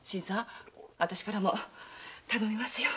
私からも頼みますよ。